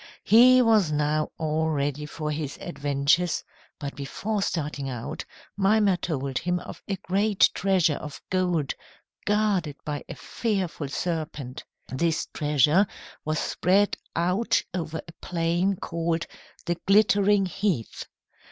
He was now all ready for his adventures, but before starting out, Mimer told him of a great treasure of gold guarded by a fearful serpent. This treasure was spread out over a plain called the Glittering Heath.